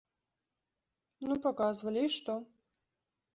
Ну паказвалі, і што?